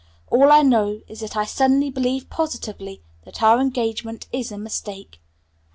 All I know is that I suddenly believe positively that our engagement is a mistake.